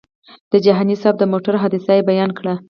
د جهاني صاحب د موټر حادثه یې بیان کړه.